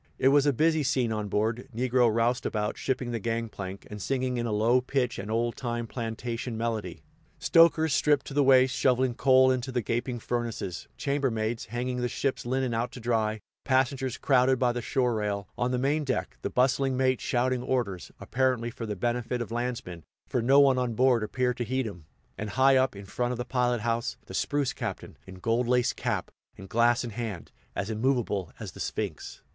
It was a busy scene on board negro roustabouts shipping the gang plank, and singing in a low pitch an old time plantation melody; stokers, stripped to the waist, shoveling coal into the gaping furnaces; chambermaids hanging the ship's linen out to dry; passengers crowded by the shore rail, on the main deck; the bustling mate shouting orders, apparently for the benefit of landsmen, for no one on board appeared to heed him; and high up, in front of the pilot house, the spruce captain, in gold laced cap, and glass in hand, as immovable as the Sphinx.